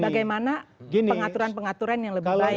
bagaimana pengaturan pengaturan yang lebih baik